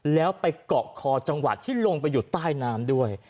แล้วไปเกาะคอจังหวะที่ลงไปอยู่ใต้น้ำด้วย